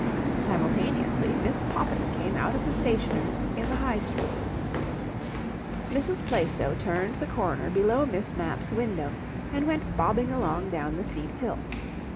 Simultaneously Miss Poppit came out of the stationer's in the High Street. Mrs. Plaistow turned the corner below Miss Mapp's window, and went bobbing along down the steep hill.